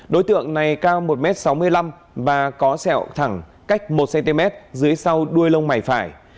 đối tượng này cao một m sáu mươi năm và có sẹo thẳng cách một cm dưới sau đuôi lông mày phải